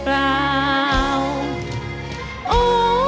เพลงแรกของเจ้าเอ๋ง